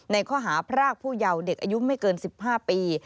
ในข้อหาพรากผู้เยาว์เด็กอายุไม่เกิน๑๕ปี